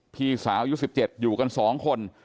พี่สาวอายุ๑๗อยู่กัน๒คน